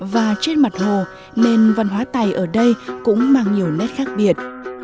và trên mặt hồ nên văn hóa tày ở đây cũng mang nhiều nét khác biệt